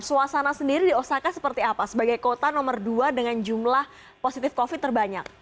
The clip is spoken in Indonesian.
suasana sendiri di osaka seperti apa sebagai kota nomor dua dengan jumlah positif covid terbanyak